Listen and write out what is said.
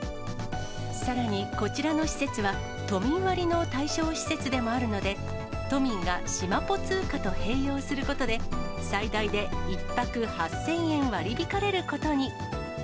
さらにこちらの施設は、都民割の対象施設でもあるので、都民がしまぽ通貨と併用することで、最大で１泊８０００円割り引かれることに。